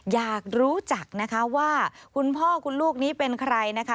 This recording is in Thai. อยากรู้จักนะคะว่าคุณพ่อคุณลูกนี้เป็นใครนะคะ